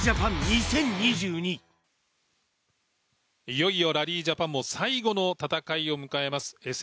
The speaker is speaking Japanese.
いよいよラリージャパンも最後の戦いを迎えます。